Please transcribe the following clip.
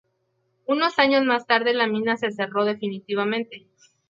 Unos años más tarde la mina se cerró definitivamente.